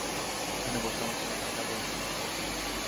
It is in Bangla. এখানে বসে আমার জন্য ঠান্ডা গরম কিছু খাও।